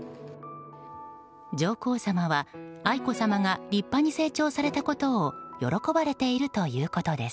上皇さまは、愛子さまが立派に成長されたことを喜ばれているということです。